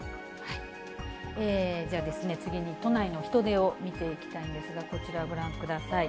じゃあ次に、都内の人出を見ていきたいんですが、こちらご覧ください。